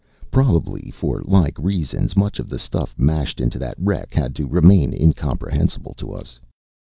Probably for like reasons, much of the stuff mashed into that wreck had to remain incomprehensible to us.